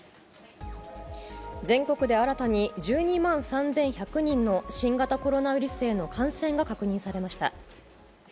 全国で新たに１２万３１００人の新型コロナウイルスへの感染が確認されました。